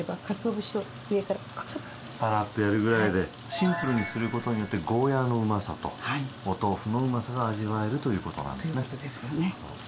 シンプルにすることによってゴーヤーのうまさとお豆腐のうまさが味わえるということなんですね。ということですね。